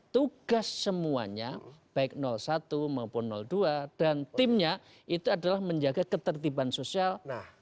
tugas semuanya baik satu maupun dua dan timnya itu adalah menjaga ketertiban sosial